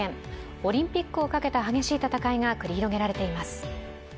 オリンピックをかけた激しい戦いが繰り広げられています。